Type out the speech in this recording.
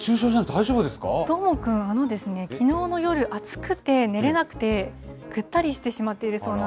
大丈夫ですどーもくん、あのですね、きのうの夜、暑くて、寝れなくて、ぐったりしてしまっているそうな